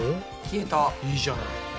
いいじゃない。